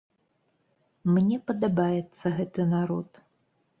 Мне падабаецца гэты народ.